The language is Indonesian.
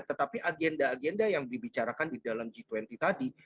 tetapi agenda agenda yang dibicarakan di dalam g dua puluh tadi